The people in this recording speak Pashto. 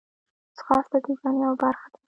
ځغاسته د ژوند یوه برخه ده